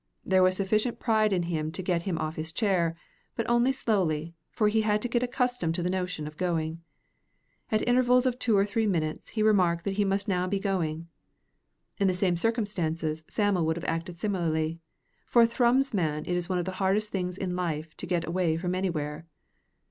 There was sufficient pride in him to get him off his chair, but only slowly, for he had to get accustomed to the notion of going. At intervals of two or three minutes he remarked that he must now be going. In the same circumstances Sam'l would have acted similarly. For a Thrums man it is one of the hardest things in life to get away from anywhere.